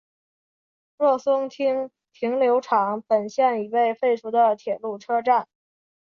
若松町停留场本线已被废除的铁路车站。